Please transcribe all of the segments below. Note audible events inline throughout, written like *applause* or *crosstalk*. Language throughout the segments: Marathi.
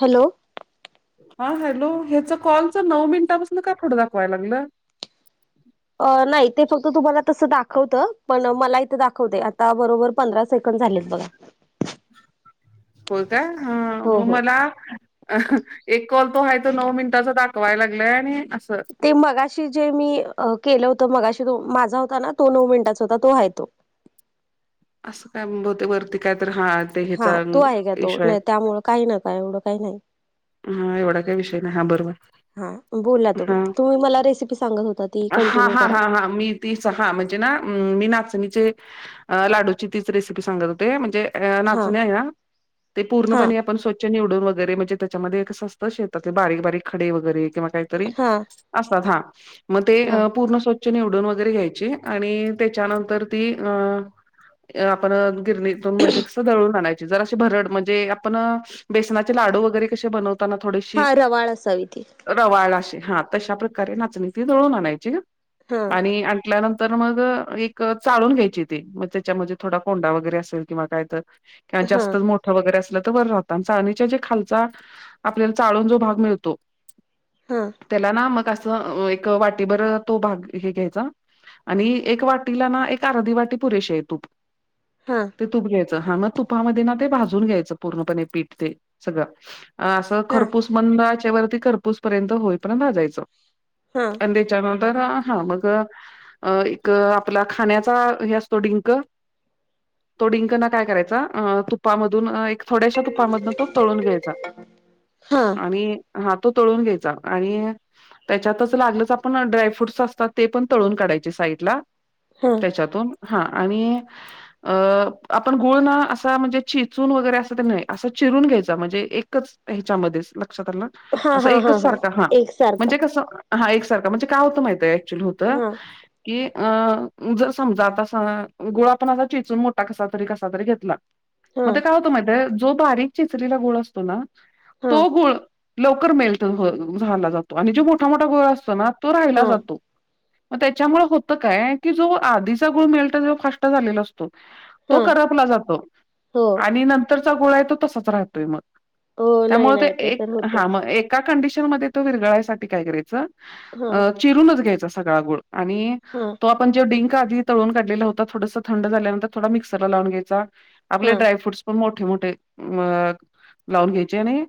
हॅलो. हा हॅलो. ह्याच कॉलच नऊ मिंनटापासन का फुड दाखवाय लागलं? अ नाही. ते फक्त तुम्हाला तसं दाखवतं. पण मला इथं दाखवतय आता बरोबर पंधरा सेकंड झालेत बघा. होय का? ह. हो मग हो मला अं ह. एक कॉल तो आहे तो नऊ मिंनटाचा दाखवाय लागलाय आणि आस. ते मगाशी जे मी, केलं होत मगाशी तो माझा होता ना. तो नऊ मिनिटाचा होता तो आहे तो. असं काय बहुतेक वरती काय तर हात. हा तो आहे गा तो. नाही त्यामुळे काही एवढं काही नाही. हा एवढा काय विषय नाही हा बरोबर. हा बोल आता बोल. हा तु मला रेसिपी सांगत होता ती हा कंटिन्यू हा हा करा. हा मी तीच हा. म्हणजे ना, मी नाचणीचे लाडूची तीच रेसिपी सांगत होते. म्हणजे अ हा नाचण्या ना. ते हा पूर्णपणे आपण स्वच्छ निवडून वगैरे म्हणजे ते ‌ त्याच्यामध्ये कसं असतं, शेतातले बारीक-बारीक खडे वगेरे किंवा काहीतरी हा असतात हा. मग ते हा पूर्ण स्वच्छ निवडून वगैरे घ्यायची. आणि, त्याच्यानंतर ती अ आपण अ गिरणी म्हणजे कसं दळून आणाय ते जराशी भरड म्हणजे आपण अ बेसनाचे लाडू वगैरे कशे बनवतो त्याला थोडीशी हा रवाळ असावी ती रवाळ अशी, हा. तशा प्रकारे नाचणी ती दळून आणायची न हा आणि आण ल्यानंतर मग एक चाळून घ्यायची ती, मग त्याच्यामध्ये थोडा कोंडा वगैरे असेल किंवा काय तर किवा हा जास्त मोठं वगैरे असलं तर वर राहत आन चाळणीच्या जे खाल चा आपल्याला चाळून जो भाग मिळतो हम. त्याला ना मग असं एक वाटीभर तो भाग हे घ्यायचं. आणि एक वाटीला ना, एक अर्धी वाटी पुरेशी आहे तूप. हा. ते तूप घ्यायचं, हां मग तुपामध्ये ना, ते भाजून घ्यायचं, पूर्णपने पीठ, ते सगळं. आसं हा खरपूस, मंद आचेवरती, खरपूस पर्यंत, होई पर्यंत भाजायचं. हं. पण तेच्यानंतर, आ हा, मग अं, एक अ आपला खाण्याचा, हे असतो डींक. तो डिंकना काय करायचा, अ तुपामधून अ एक थोड्याशा तुपामधन, तो तळून घ्यायचा. हां. आणि हां तो तळून घ्यायचा, आणि त्याच्यातच लागलंच आपण, ड्रायफ्रूडस असतात, ते पण तळून काढायचे, साईडला. हं. त्याच्यातून, हां आणि अ आपण गुळ ना, असा म्हणजे, चेचून वगैरे असं ते नही, असं चिरून घ्यायचा, म्हणजे एक कच ह्याच्यामध्येच, लक्षात आलं, हा असं हा हा एकच हा सारखा हां, एकसारखा म्हणजे कसं हा एक सारखा, म्हणजे काय होतं माहितय, ऍक्च्युअली होतं हा कि अं, जर समजा, तसा गुळ आपण असा चेचून, मोठा कसा तरी, कसा तरी घेतला. म हा ते काय होतं माहितिये, जो बारीक चेचलेला गुळ असतो ना, हा तो गुळ लवकर मेल्ट झाला जातो, आणि जो मोठा-मोठा गुळ असतो ना, तो हा राहिला जातो. म त्याच्यामुळ होतं काय, की जो आधीचा गुळ मेल्ट जे, फास्ट झालेला असतो. हा तो करपला जातो, हो आणि नंतरचा गुळा आहे, तो तसाच राहतोय मग. हो नाही त्यामुळे, ते नाही एक, तर हां होतच मग एक त्या कंडिशन मध्ये, तो विरगळायसाठी काय करायचं, हा चिरूनच घ्यायचा सगळा गुळ, आणि ह्म. तो आपण, जो डिंक आधी तळून काढलेला होता, थोडस थंड झाल्यांतर, थोडा मिक्सरला लावून घ्यायचा. आपले हा ड्राय फ्रूट्स पण मोठे-मोठे, लावून घ्यायचे, आणि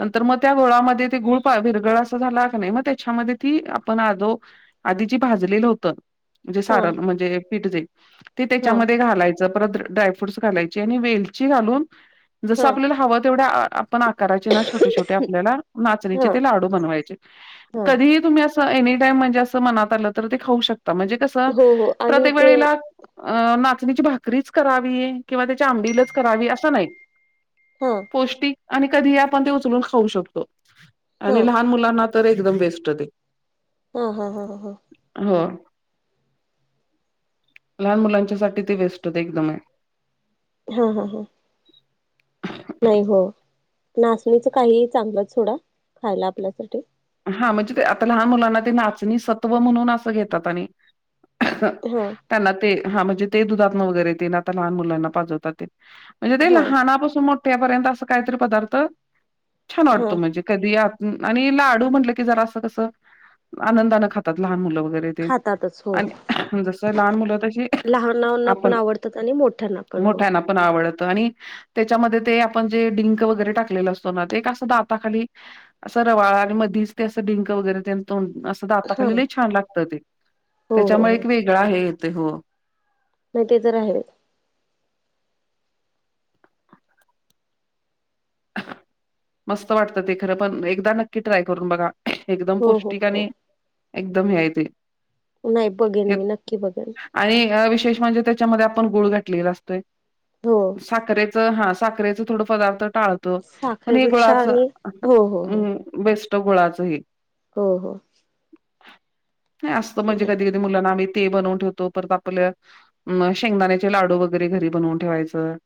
नंतर मग त्या गोळामध्ये, ते गुळ पा-विरगळ असा झाला का नाही, म त्याच्यामध्ये ती, आपण आदो आधी जी भाजलेलं होत, जे हा सारण, म्हणजे पिठ जे, ते हा त्याच्यामध्ये घालायच. परत ड्राय फ्रूटस घालायची, आणि वेलची घालून, जसं हा आपल्याला हवं तेवढ्या पण आकाराचे ना, छोटे-छोटे आपल्याला, नाचणीचे हा ते लाडू बनवायचे, हा कधी तुम्ही असं एनी टाइम, म्हणजे अस, मनात आलं तर, ते खाऊ शकता, म्हणजे कसं हो हो आणि प्रत्येक ते वेळेला अ नाचणीची भाकरीच करावी, किंवा त्याचे आंबिलच करावी, असं नाही. ह्म. पौष्टिक आणि कधीही आपण ते उचलून, खाऊ शकतो, हा आणि लहान मुलांना तर एकदम बेस्ट ते. हां हां हां हां. हो, लहान मुलांच्या साठी, ते बेस्ट होते, एकदम. हां हां हं. नही हो, नाचणीच काही चांगलंच सोडा, खायला आपल्यासाठी. हां म्हणजे ते, आता लहान मुलांना, ते नाचणी सत्व म्हणून, असं घेतात आणि ह *unintelligible* हा त्यांना ते, हां म्हणजे, ते दुधात्न वगैरे, ते आता लहान मुलांना पाजवतात, ते. म्हणजे ते हा लहानापासून मोठ्यापर्यंत, असं काहीतरी पदार्थ, छान हा वाटतो, म्हणजे कधीत यात आणि लाडू, म्हटलं की जरा असं कस, आनंदानं खातात, लहान मुलं वगैरे ते खातातच हो अणि जस लहान मुलं, तशी लहानांना पण आपण आवडतात आणि मोठ्यांना पण हो मोठ्याना पण आवळत आणि त्याच्यामध्ये ते आपण जे डिंक वगैरे टाकलेलं असतो ना ते कस दाता खाली असं रवाळा आणि मधी ते असं डिंक वैगरे तेन हा दाताखाली लय छान लागत ते हो हो त्याच्यामुळे हो एक वे खेळा आहे येथे हो नाही ते तर आहे. मस्त वाटतं ते खरं पण एकदा नक्की ट्राय करून बघा एकदम हो हो पौष्टिक हो आणि एकदम हे आहे ते नाही बघेन हे मी नक्की बघेन आणि विशेष म्हणजे त्याच्यामध्ये आपण गुळ घातलेला असतोय हो साखर हम हा साखरेच थोड पदार्थ टाळतो पण हे साखरेपेक्षा गुळाच आणि हो हो हम बेस्ट गुळाचंही हो हो.. नाही असतो म्हणजे कधी कधी मुलांना आम्ही ते बनवून ठेवतो परत आपलं म शेंगदाण्याचे लाडू वगैरे घरी बनवून ठेवायचं.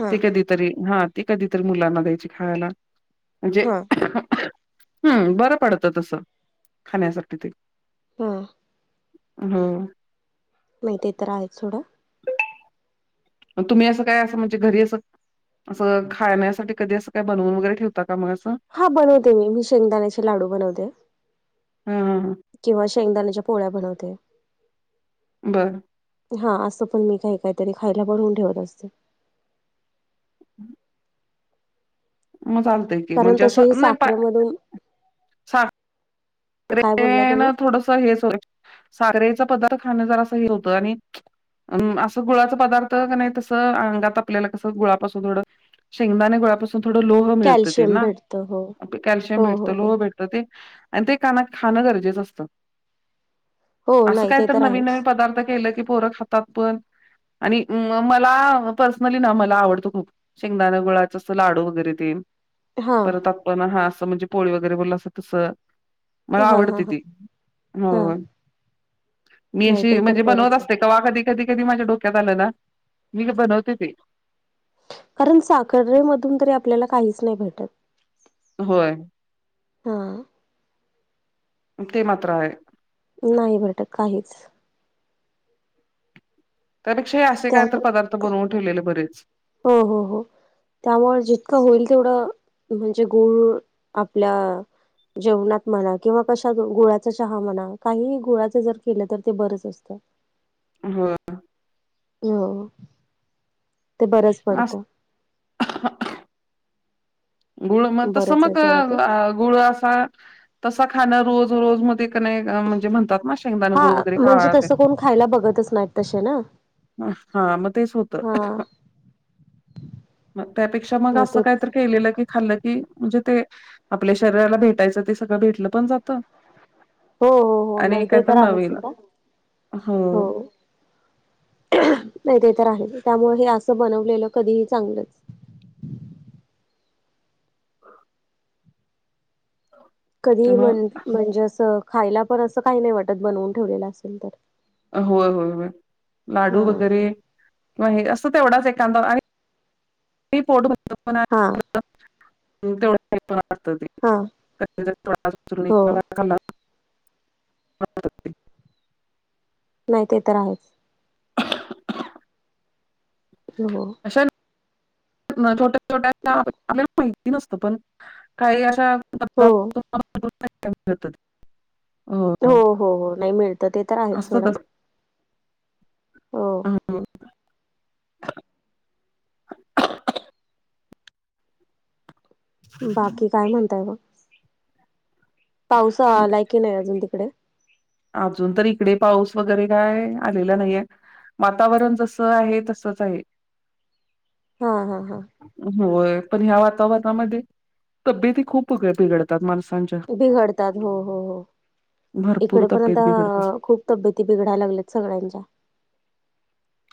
हा ते कधीतरी हा ती कधीतरी मुलांना द्यायची खायला. म्हणजे हा हम् बरं पडतं तसं खाण्यासाठी ते हा.. हा.. नाही ते तर आहेच सोडा. *unintelligible* तुम्ही असं काय असं म्हणजे घरी असं असं खाण्यासाठी कधी असं काय बनवून वगैरे ठेवता का मग असं? हा बनवते मी शेंगदाण्याचे लाडू बनवते. हा हा हा किंवा शेंगदाण्याच्या पोळ्या बनवते. बरं हा असं पण मी काही काहीतरी खायला बनवून ठेवत असते. हम् *unintelligible* मग चालतय की कारण म्हणजे तसेही असं नाही साखरेमधून काय बोलला तुम्ही साखरे थोडस हेच साखरेचा पदार्थ खाण ज असं हे होतं आणि अ असं गुळाचा पदार्थ का नाही तसं अंगात आपल्याला कसं गुळापासून थोडं शेंगदाणे गुळापासून थोडं लोह मिळत ते कॅल्शियम ना भेटत हो कॅल्शियम हो हो भेटतं हो लोह भेटत. ते आणि ते काना खाणं गरजेचं असतं. हो असं नाही काय ते तर नवीन आहेच नवीन पदार्थ केलं की पोरं खातात पण आणि मला पर्सनली मला आवडतो खूप शेंगदाणा गुळाचा अस लाडू वगैरे ते हा परत आपण हा असं म्हणजे पोळी वगैरे बोलला असं तसं मला हा हा आवडते हा ती हो हा मी नाही अशी ते तर म्हणजे बनवत बरंच आहे असते तवा कधी कधी कधी माझ्या डोक्यात आलं ना मी बनवते ते. कारण साखरे मधून तरी आपल्याला काहीच नाही भेटत. होय हा ते मात्र आहे. नाही भेटत काहीच त्यापेक्षा हे असे काय तर त्यामु पदार्थ बनवून ठेवलेले बरेच हो हो हो त्यामुळं जितकं होईल तेवढं म्हणजे गुळ आपल्या जेवणात म्हणा किंवा कशात, गुळाचा चहा म्हणा, काहीही गुळाचं जर केलं तर ते बरंच असतं. हृ हो.. ते बरंच अस पडतं. *unintelligible* गुळ मग, तस बरंच आहे मग सोडं ते गुळ, असा -तसा खाणं रोज- रोज मध्ये आमच्यात कनई म्हणजे म्हणतात ना शेंगदाणे हा गुळ वगैरे म्हणजे खावा तेन, तसं कोण खायला बघतच नाहीत तसे ना हा मग तेच होतं. हा त्यापेक्षा मग नाही ते असं काहीत केलेलं की खाल्लं की म्हणजे ते आपल्या शरीराला भेटायचं ते सगळं भेटलं पण जातं, हो, हो, हो. आणि नाही काय ते तर आहेच नवीन सोडा, हो. नाही ते तर आहे, त्यामुळे हे असं बनवलेलं कधीही चांगलंच. *unintelligible* कधी मग म्हण म्हणजे असं खायला पण असं काही नाही वाटत बनवून ठेवलेलं असेल तर. होय, होय, होय लाडू हा वगैरे किंवा हे असं तेवढाच एखांदा आणि नाही पोट भरतं पण ना. हा.. तेवढ काय पण वाटतं ते हा हो *unintelligible* वाटतं ते. नाही ते तर आहेच. हो. अशा ना छोट्या- छोट्याशा आपल्याला माहिती नसतं पण काही अशा हो *unintelligible* हो, हो, हो. नाही मिळतं ते तर आहेच असतं सोडा. हो हं.. बाकी काय म्हणताय मग. पाऊसा हो. आलाय की नाही अजून तिकडे? अजून तर इकडे पाऊस वगैरे काय आलेला नाहीय. वातावरण जसं आहे, तसंच आहे. हा, हा, हा. होय पण ह्या वातावरणामध्ये तब्येती खूप फुकट बिघडतात माणसांच्या, बिघडतात हो हो हो भरपूर इकडे तब पण आता बिघडतात. खूप तब्येती बिघडाय लागलेत सगळ्यांच्या.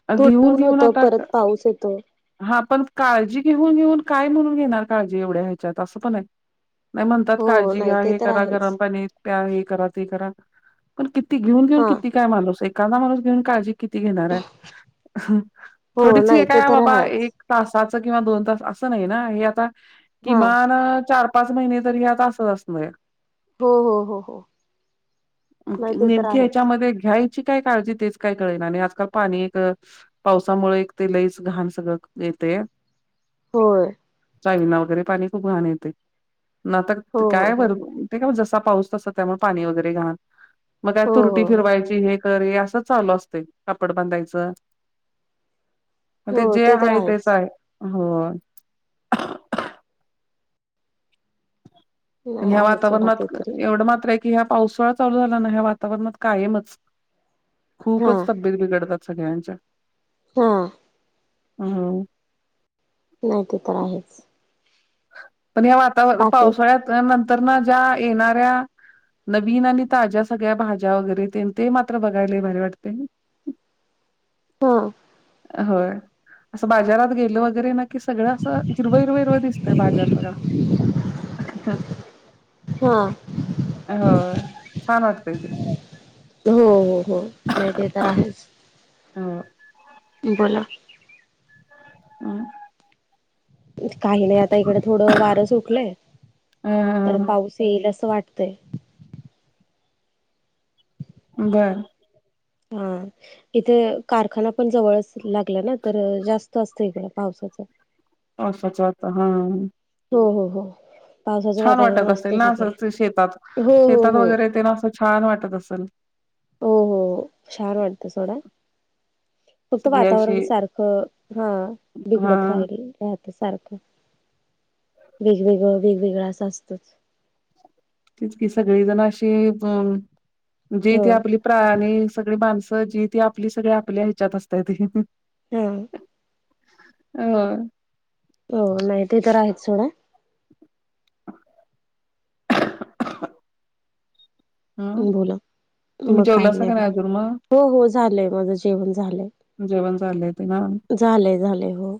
अ, थोडं घेऊन ऊन घेऊन होतं, आता परत पाऊस येतोय. हा पण काळजी घेऊन, घेऊन काय म्हणून घेणार काळजी एवढ्या ह्याच्यात असं पण आहे. आणि म्हणतात हो काळजी नाही घ्या, ते हे तर करा, आहेच गरम पाणी प्या, हे करा, ते करा. पण किती घेऊन, घेऊन हा किती काय माणूस एकादा माणूस घेऊन काळजी किती घेणार आहे? हो थोडीच हे नाही ते काय तर बाबा आहेच एक तासाच किंवा दोन तास असं नाही ना, हे आता हा किमान चार पाच महिने तरी हे आता असच अस नाय. हो हो हो हो नाही ते तर नेमके आहेच हेच्यामध्ये घ्याय ची काय काळजी तेच काय कळेना आणि आजकाल पाणी तर पावसामुळे एक ते लईच घाण सगळं येतंया. होय. चाविंना वगैरे पाणी खूप घाण येतय ना आता हो हो काय हो वर ते काय मग जसा पाऊस तसा त्यामुळे पाणी वगैरे घाण मग काय हो तुरटी हो हो फिरवायची तरी असं चालू असतय कापड बांधायचं म ते हो जे तर हाय तेच आहेच हाय हो पण नाही ह्या आहे सोडा वातावरणात ते तरी एवढं मात्र आहे की ह्या पावसाळा चालू झाला ना ह्या वातावरणात कायमच हा खूपच तब्येत बिघडतात सगळ्यांच्या हा हम्म नाही ते तर आहेच पण या वातावर बाकी पावसाळ्यात नंतरनं ज्या येणाऱ्या नवीन आणि ताज्या सगळ्या भाज्या वगैरे तेन ते मात्र बघाय लई भारी वाटते *inaudible* हो होय असं बाजारात गेलो वगैरे ना की सगळं असं हिरवं हिरवं हिरवं दिस तं बाजार सगळा हा होय छान वाटतय. हो हो हो नाही ते तर आहेच हो. बोला हम्म काही नाही आता इकडं थोडं वारं सुटलंय तर अ पाऊस येईल असं वाटतंय. बरं हा इथे कारखाना पण जवळच लागला ना तर जास्त असतं इकड पावसाचं पावसाचं वाता हा हो हो हो पावसाचं छान वाटत वातावरण असेल असतंच ना इकडे असं शेतात हो हो शेतात हो वगैरे तेन असं छान वाटत असल. हो हो हो छान वाटतं सोडा फक्त सगळी अशी वातावरण सारखं हा हा बिघडत राहिलय. राहतं सारखं वेगवेगळं वेगवेगळं असं असतच. तेच कि सगळीजणं अशी अं जे हो ते आपली प्राणी सगळी माणसं जी ती आपली सगळी आपल्या ह्याच्यात असत्याती. हम्म अं हो हो नाही ते तर आहेचं सोडा हा बोला तुम्ही मग काही जेवलासा नाही का बघा अजून मग हो हो झालंय माझं जेवण झालंय. जेवण झालंय ते ना झालय झालय हो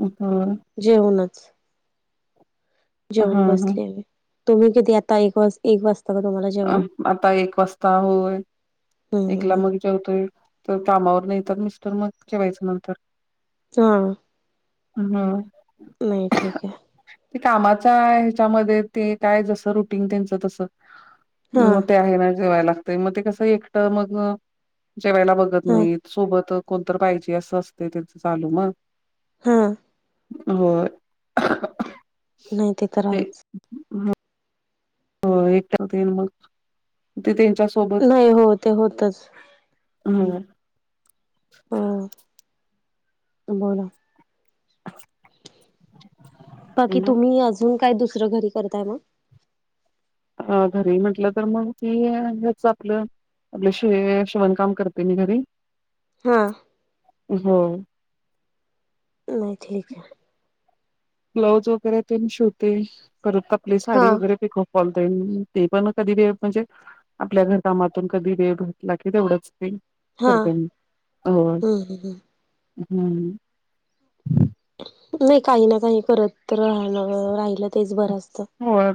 होय जेउनच *inaudible* जेऊन हा बसले मी तुम्ही किती आता एक वाज एक वाजता का तुम्हाला अ जेवायला आता एक वाजता होय हम्म एकला हम्म मग जेवतोय तवर कामावरणं येतात मिस्टर मग जेवायचं नंतर हा म्ह नाही ठीक आहे. ते कामाचा ह्याच्यामध्ये ते काय जसं रुटिंग त्यांच तसं हा म ते आहे ना जेवायला लागतय मग ते कसं एकटं मग जेवायला बघत हा नाहीत. सोबत कोणत पाहिजे असं असते त्याच चालू ना, हां होय, नाही ते तर आहेच. हो एकटतेन मग तेंच्या, नाही हो ते होतच. ह अ बोला, बाकी तुम्ही अजून काय दुसरं घरी करताय मग. अ घरी म्हटलं तर मग ती हेच आपलं, आपले शे शेवणकाम करते मी घरी. हा, होय, नई ठीक हाय. ब्लाऊज वगैरे ते शिवते करत आपली हा साडी वगैरे पिकव, फॉल तेन ते पण कधी ते म्हणजे, आपल्या घर कामातून कधी दे घातला की तेवढंच ते, हा करत मी होय हम्म हम्म हम्, नाही काही ना काही करत राहण राहिलं तेच बरं असतं, हो